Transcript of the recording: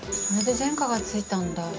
それで前科がついたんだ。